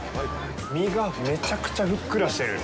身がめちゃくちゃふっくらしてる。